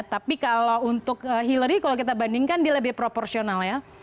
tapi kalau untuk hillary kalau kita bandingkan dia lebih proporsional ya